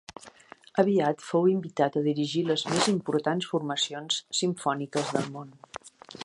Aviat fou invitat a dirigir les més importants formacions simfòniques del món.